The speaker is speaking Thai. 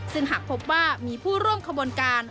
ซึ่งหากพบว่ามีผู้ร่วมขบวนการ